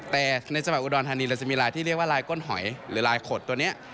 แต่ในจังหวัดอุดรธานีเราจะมีลายที่เรียกว่าลายก้นหอยหรือลายขดตัวนี้